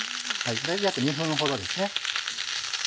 大体約２分ほどですね。